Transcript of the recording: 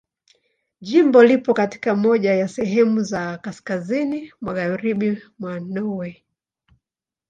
Jimbo lipo katika moja ya sehemu za kaskazini mwa Magharibi mwa Norwei.